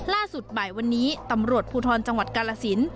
ล่าสุดบ่ายวันนี้ตำรวจภูทรจังหวัดกาลสิน